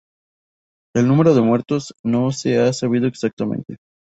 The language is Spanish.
El número de muertos no se ha sabido exactamente.